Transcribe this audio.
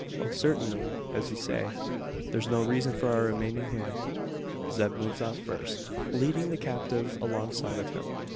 "Oh, certainly. As you say, there's no reason for our remaining here." Zeb moves off first, leading the captive alongside of him.